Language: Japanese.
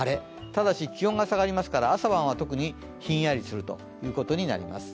ただし、気温が下がりますから朝晩は特にひんやりするということになります。